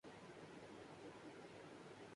عمران بھائی کمال کے ایکڑ